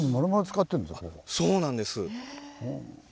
そうなんです。